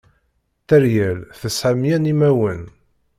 Teryel tesɛa mya n imawen.